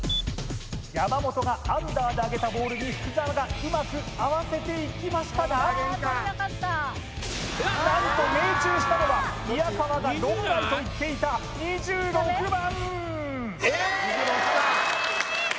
山本がアンダーで上げたボールに福澤がうまく合わせていきましたが何と命中したのは宮川が論外と言っていた２６番！